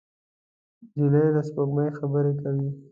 نجلۍ له سپوږمۍ خبرې کوي.